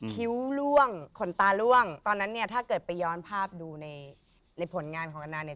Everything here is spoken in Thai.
คิ้วล่วงขนตาล่วงตอนนั้นเนี่ยถ้าเกิดไปย้อนภาพดูในผลงานของอันนาเนี่ย